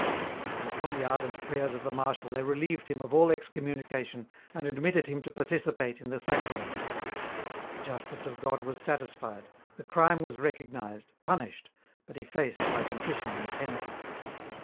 And upon the ardent prayers of the Marshal they relieved him of all excommunication and admitted him to participate in the sacraments. The justice of God was satisfied, the crime was recognized, punished, but effaced by contrition and penitence.